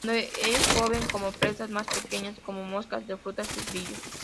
Cuando es joven come presas más pequeñas, como moscas de frutas y grillos.